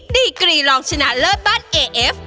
ดีกรีรองชนะเลิศบ้านเอเอฟ